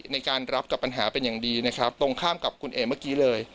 ในการรับกับปัญหาเป็นอย่างดีนะครับตรงข้ามกับคุณเอเมื่อกี้เลย